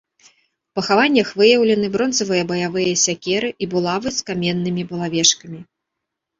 У пахаваннях выяўлены бронзавыя баявыя сякеры і булавы з каменнымі булавешкамі.